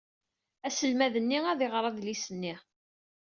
Aselmad-nni ad iɣer adlis-nni.